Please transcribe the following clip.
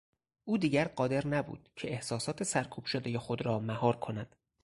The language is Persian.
او دیگر قادر نبود که احساسات سرکوب شدهی خود را مهار کند.